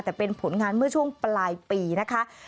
แต่เป็นผลงานเมื่อช่วงปลายปีนะคะ